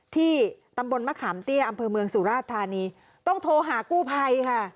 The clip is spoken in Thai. ที่ตำบลมะขามเตี้ยอำเภอเมืองสุราชธานีต้องโทรหากู้ภัยค่ะ